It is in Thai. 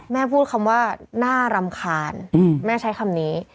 แม่พูดคำว่าน่ารำคาญแม่ใช้คำนี้